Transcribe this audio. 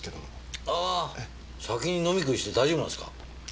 先に飲み食いして大丈夫なんですか？